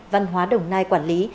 văn hóa đồng nai quản lý